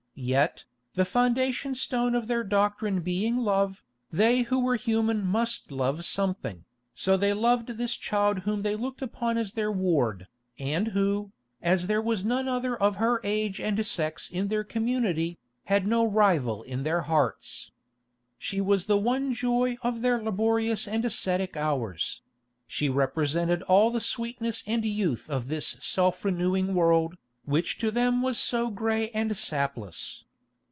Yet, the foundation stone of their doctrine being Love, they who were human must love something, so they loved this child whom they looked upon as their ward, and who, as there was none other of her age and sex in their community, had no rival in their hearts. She was the one joy of their laborious and ascetic hours; she represented all the sweetness and youth of this self renewing world, which to them was so grey and sapless.